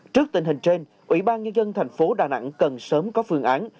trước tình hình trên ủy ban nhân dân thành phố đà nẵng cần sớm có phương án